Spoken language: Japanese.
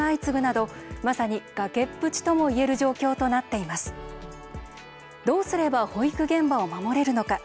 どうすれば保育現場を守れるのか。